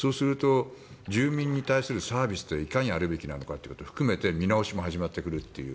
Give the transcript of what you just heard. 住民に対するサービスがいかにあるべきなのかということも含めて見直しも始まってくるという。